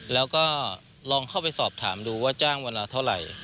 แล้วก็ลองเข้าไปสอบถามดูว่าจ้างวันละเท่าไหร่